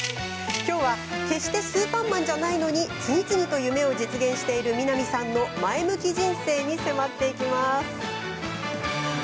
きょうは、決してスーパーマンじゃないのに次々と夢を実現している南さんの前向き人生に迫っていきます。